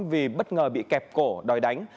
vì bất ngờ bị kẹp cổ đòi đánh